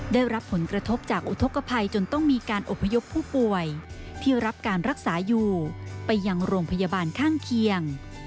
ได้รับผลกระทบจากอุทธกภัยจนต้องมีการอบพยพผู้ป่วยที่รับการรักษาอยู่ไปยังโรงพยาบาลข้างเคียง